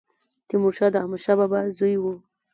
تيمورشاه د احمدشاه بابا زوی و